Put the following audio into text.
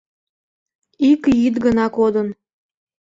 Ик йӱд гына кодын.